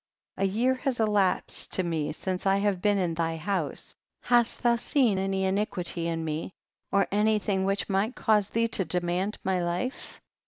73. A year has elapsed to me since I have been in thy house ; hast thou seen any iniquity in me, or any thing which might cause thee to de mand my life?